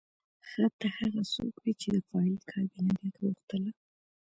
ښه ته هغه څوک وې چې د فایل کابینه دې غوښتله